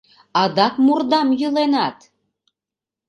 Адак мурдам йӱленат?